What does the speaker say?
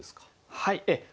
はい。